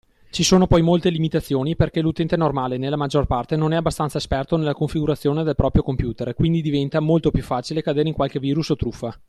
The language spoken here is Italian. Ci sono poi molte limitazioni perché l'utente normale nella maggior parte , non è abbastanza esperto nella configurazione del proprio computer e quindi diventa, molto più facile cadere in qualche virus o truffa.